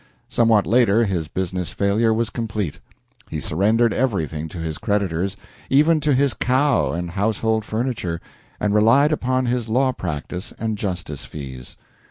Somewhat later his business failure was complete. He surrendered everything to his creditors, even to his cow and household furniture, and relied upon his law practice and justice fees.